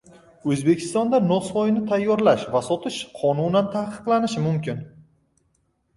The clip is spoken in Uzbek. O‘zbekistonda nosvoyni tayyorlash va sotish qonunan taqiqlanishi mumkin